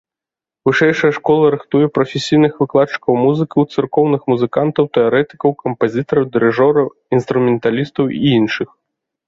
Вышэйшая школа рыхтуе прафесійных выкладчыкаў музыкі, царкоўных музыкантаў, тэарэтыкаў, кампазітараў, дырыжораў, інструменталістаў і іншых.